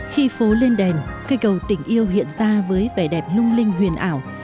khi phố lên đèn cây cầu tình yêu hiện ra với vẻ đẹp lung linh huyền ảo